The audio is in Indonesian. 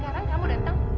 sekarang kamu datang